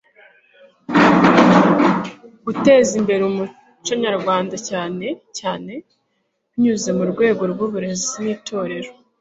guteza imbere umuco nyarwanda, cyane cyane binyuze mu rwego rw'uburezi n'itorero